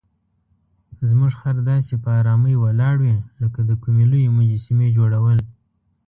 زموږ خر داسې په آرامۍ ولاړ وي لکه د کومې لویې مجسمې جوړول.